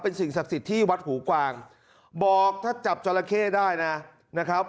เป็นสิ่งศักดิ์สิทธิ์ที่วัดหูกวางบอกถ้าจับจราเข้ได้นะนะครับ